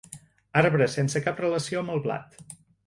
Arbre sense cap relació amb el blat.